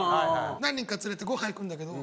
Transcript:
何人か連れてごはん行くんだけど。